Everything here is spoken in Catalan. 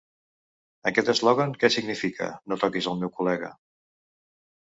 Aquest eslògan, que significa "No toquis al meu col·lega!".